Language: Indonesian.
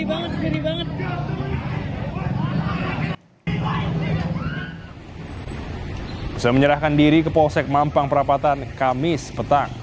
usai menyerahkan diri ke polsek mampang perapatan kamis petang